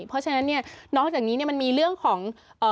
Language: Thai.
เพราะฉะนั้นเนี่ยนอกจากนี้มันมีเรื่องของ